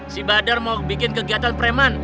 si badar mau bikin kegiatan preman